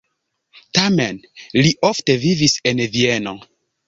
Tamen li ofte vivis en Vieno.